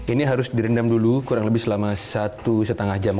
ini harus direndam dulu kurang lebih selama satu setengah jam